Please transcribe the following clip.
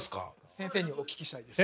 先生にお聞きしたいです。